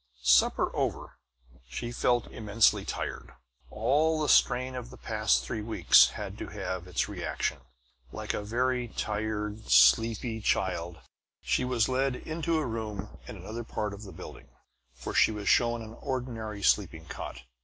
Supper over, she felt immensely tired. All the strain of the past three weeks had to have its reaction. Like a very tired, sleepy child, she was led to a room in another part of the building, where she was shown an ordinary sleeping cot.